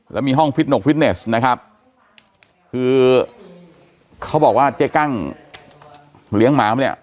แล้วมีห้องฟิตหนกฟิตเนสนะครับคือเขาบอกว่าเจ๊กั้งเลี้ยงหมาเนี่ย